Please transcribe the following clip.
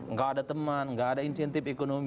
nggak ada teman nggak ada insentif ekonomi